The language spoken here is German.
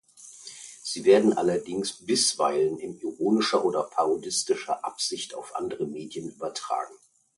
Sie werden allerdings bisweilen in ironischer oder parodistischer Absicht auf andere Medien übertragen.